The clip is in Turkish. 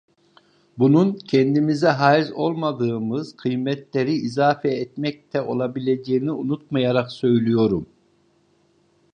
Bunun, kendimize hâiz olmadığımız kıymetleri izafe etmekte olabileceğini unutmayarak söylüyorum.